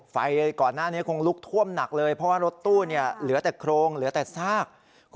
ไฟก่อนหน้านี้คงลุกท่วมหนักเลยเพราะว่ารถตู้เหลือแต่โครงเหลือแต่ซาก